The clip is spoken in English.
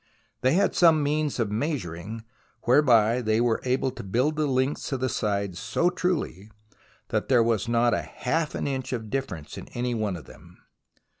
They had some means of measuring whereby they were able to build the lengths of the sides so truly, that there was not half an inch of difference in any one of them.